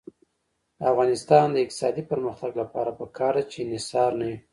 د افغانستان د اقتصادي پرمختګ لپاره پکار ده چې انحصار نه وي.